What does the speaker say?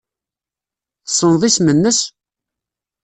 Tessneḍ isem-nnes?